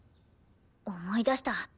思い出した。